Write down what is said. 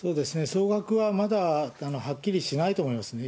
総額はまだはっきりしないと思いますね。